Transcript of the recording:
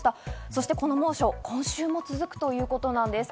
そしてこの猛暑、今週も続くということなんです。